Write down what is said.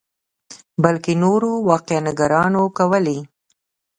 بلکې نورو واقعه نګارانو کولې.